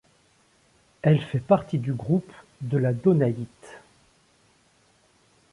Elle fait partie du groupe de la donnayite.